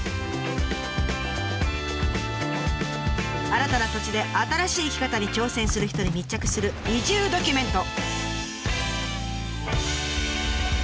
新たな土地で新しい生き方に挑戦する人に密着する移住ドキュメント。